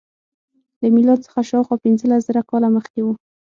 له میلاد څخه شاوخوا پنځلس زره کاله مخکې و.